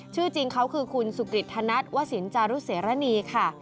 ชื่อจริงเขาคือคุณสุกริตธนัทวสินจารุเสรณีค่ะ